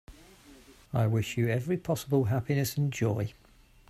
I wish you every possible happiness and joy.